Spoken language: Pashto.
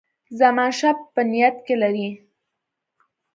زمانشاه په نیت کې لري.